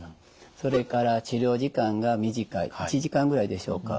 それから治療時間が短い１時間ぐらいでしょうか。